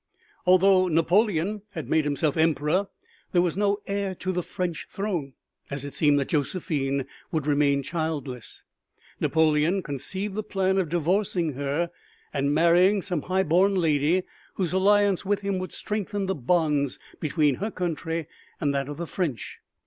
Although Napoleon had made himself Emperor there was no heir to the French throne. As it seemed that Josephine would remain childless, Napoleon conceived the plan of divorcing her and marrying some high born lady whose alliance with him would strengthen the bonds between her country and that of the French.